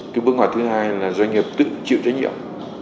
cái bước ngoặt thứ hai là doanh nghiệp tự chịu trách nhiệm